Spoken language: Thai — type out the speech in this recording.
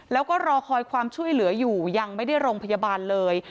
แล้วก็รอคอยความช่วยเหลืออยู่ยังไม่ได้โรงพยาบาลเลย